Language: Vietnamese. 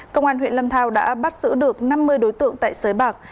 công an huyện lâm thao đã bắt giữ được năm mươi đối tượng tại sới bạc